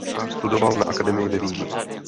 Studoval na akademii ve Vídni.